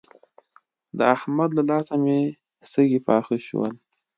د احمد له لاسه مې سږي پاخه شول.